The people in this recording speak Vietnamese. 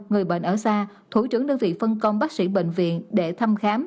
người bệnh ở xa thủ trưởng đơn vị phân công bác sĩ bệnh viện để thăm khám